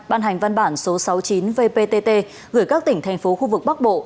ban hành văn bản số sáu mươi chín vpt gửi các tỉnh thành phố khu vực bắc bộ